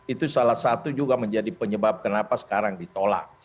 itu salah satu juga menjadi penyebab kenapa sekarang ditolak